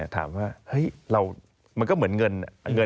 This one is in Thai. ถามว่าเฮ้ยมันก็เหมือนเงิน